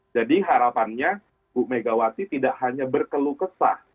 jadi harapannya tuh megawati tidak hanya berkeluh kesah